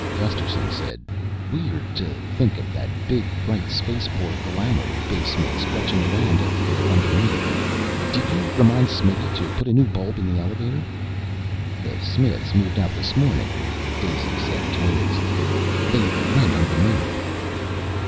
Gusterson said, "Weird to think of that big bright space poor glamor basement stretching around everywhere underneath. Did you remind Smitty to put a new bulb in the elevator?" "The Smiths moved out this morning," Daisy said tonelessly. "They went underneath."